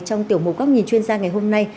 trong tiểu mục góc nhìn chuyên gia ngày hôm nay